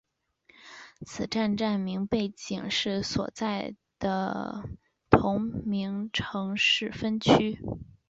此站站名背景是所在的同名城市分区。